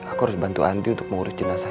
aku harus bantu andi untuk mengurus jenazahnya ri